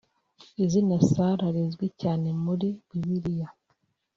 Izina Sarah rizwi cyane muri Bibiliya